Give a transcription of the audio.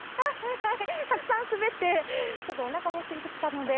たくさん滑ってちょっとおなかもすいてきたので。